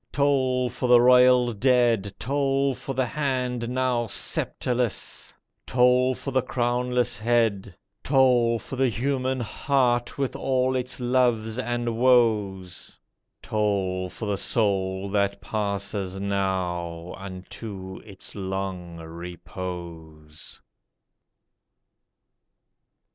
Toll for the royal dead ; Toll — for the hand now sceptreless ; Toll — for the crownless head ; Toll — for the human heart With all its loves and woes ; Toll — for the soul that passes now Unto its long repose